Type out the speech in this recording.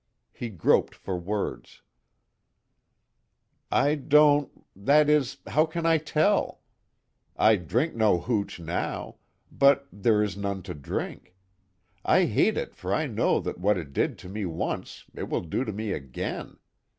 He groped for words: "I don't that is, how can I tell? I drink no hooch now but there is none to drink. I hate it for I know that what it did to me once it will do to me again.